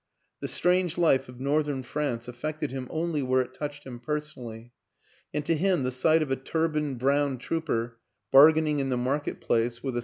The strange life of North ern France affected him only where it touched him personally, and to him the sight of a turbaned brown trooper bargaining in the market place with a.